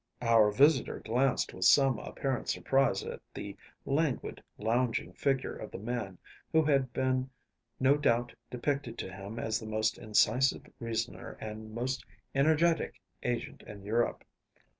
Our visitor glanced with some apparent surprise at the languid, lounging figure of the man who had been no doubt depicted to him as the most incisive reasoner and most energetic agent in Europe.